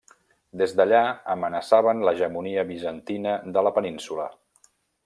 Des d'allà amenaçaven l'hegemonia bizantina de la península.